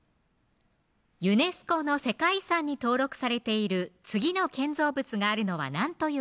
ユネスコの世界遺産に登録されている次の建造物があるのは何という国でしょう